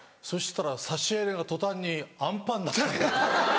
そしたら差し入れが途端にあんパンになったの。